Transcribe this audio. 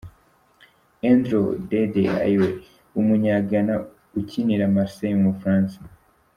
Andre ’Dede’ Ayew , umunya Ghana ukinira Marseille mu Bufaransa.